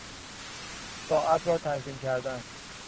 ساعت را تنظیم کردن